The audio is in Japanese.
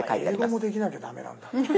英語もできなきゃダメなんだ。